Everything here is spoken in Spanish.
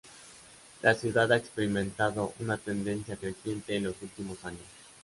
La ciudad ha experimentado una tendencia creciente en los últimos años.